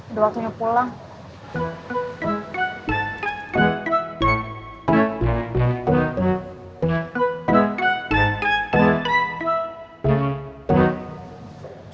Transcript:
udah waktunya pulang